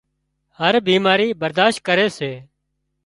هر بيماري برادشت ڪري سي